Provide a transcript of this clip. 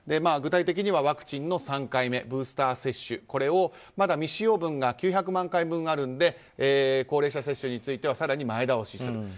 具体的にはワクチンの３回目ブースター接種これを、まだ未使用分が９００万回分あるので高齢者接種については更に前倒しする。